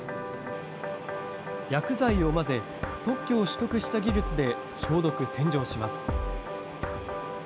薬剤を混ぜ、特許を取得した技術で消毒・洗浄します。